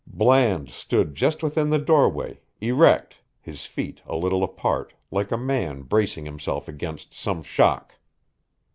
Bland stood just within the doorway, erect, his feet a little apart, like a man bracing himself against some shock.